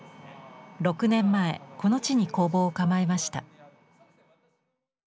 ６年前この地に工房を構えました。